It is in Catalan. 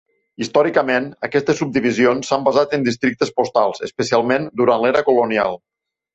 Històricament, aquestes subdivisions s'han basat en districtes postals, especialment durant l'era colonial.